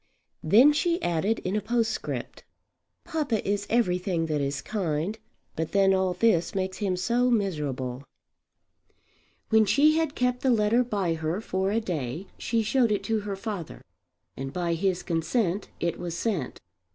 Then she added in a postscript "Papa is everything that is kind; but then all this makes him so miserable!" When she had kept the letter by her for a day she showed it to her father, and by his consent it was sent.